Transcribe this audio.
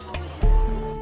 supaya beliau lebih khusus